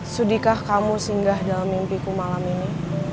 sudikah kamu singgah dalam mimpiku malam ini